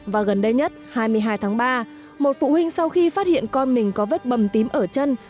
và gần đây nhất hai mươi hai tháng ba một phụ huynh sau khi phát hiện con mình có vết bầm tím ở chân